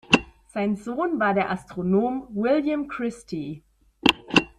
Sein Sohn war der Astronom William Christie.